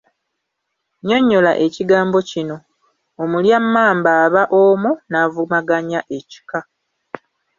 Nnyonnyola ekigambo kino: Omulya mmamba aba omu n'avumaganya ekika.